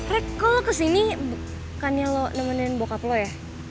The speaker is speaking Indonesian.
re kok lo kesini bukannya lo nemenin bokap lo ya